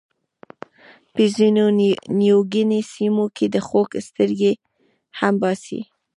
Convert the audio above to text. په ځینو نیوګیني سیمو کې د خوک سترګې هم باسي.